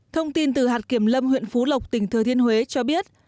thông tin từ hạt kiểm lâm huyện phú lộc tỉnh thừa thiên huế cho biết